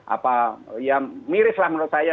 apa ya mirislah menurut saya